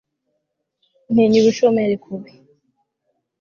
ntinya ubushomeri kubi